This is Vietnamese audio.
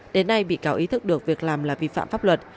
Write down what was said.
đến nay bị cáo ý thức được việc làm là vi phạm pháp luật